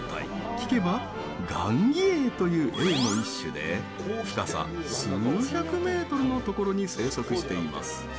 聞けば、ガンギエイというエイの一種で深さ数百メートルのところに生息しています。